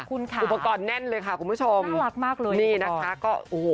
อุปกรณ์แน่นเลยค่ะคุณผู้ชมน่ารักมากเลยอุปกรณ์